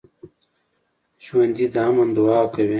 ژوندي د امن دعا کوي